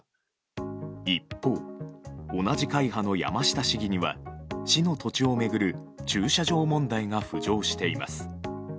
一方、同じ会派の山下市議には市の土地を巡る駐車場問題が浮上しています。